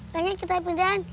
tanya kita pindahan